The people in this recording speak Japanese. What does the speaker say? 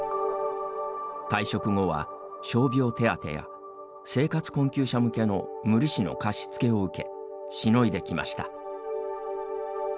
退職後は傷病手当や生活困窮者向けの無利子の貸し付けを受けしのいできました。